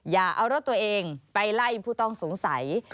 อย่าเอารถตัวเองไปไล่ผู้ต้องสงสัย